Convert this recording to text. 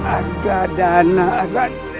harga dana raden